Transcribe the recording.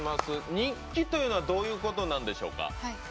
日記というのはどういうことなんでしょうか。